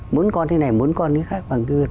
muốn con thế này muốn con thế khác bằng cái việc